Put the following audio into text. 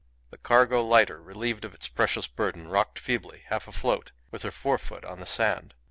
The cargo lighter, relieved of its precious burden, rocked feebly, half afloat, with her fore foot on the sand.